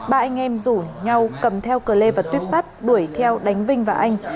ba anh em rủ nhau cầm theo cờ lê và tuyếp sắt đuổi theo đánh vinh và anh